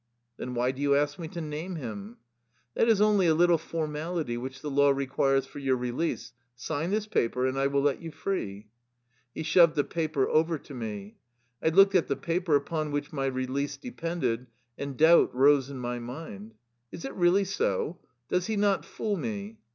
" Then why do you ask me to name him? "" That is only a little formality which the law requires for your release. Sign this paper, and I will let you free." He shoved a paper over to me. I looked at the paper upon which my release depended, and doubt rose in my mind. Is it really so? Does he not fool me?